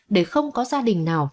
để không có gia đình nào